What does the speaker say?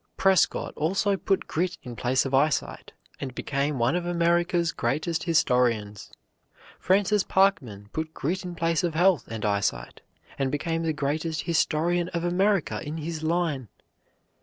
Prescott also put grit in place of eyesight, and became one of America's greatest historians. Francis Parkman put grit in place of health and eyesight, and became the greatest historian of America in his line.